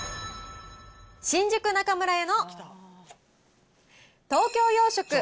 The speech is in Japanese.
新宿中村屋の東京洋食